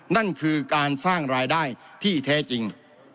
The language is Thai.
นั่นคือการสร้างรายได้ที่แท้จริง